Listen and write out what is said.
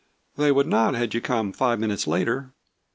They would not had you come five minutes later."